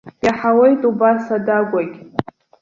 Иаҳауеит убас адагәагь.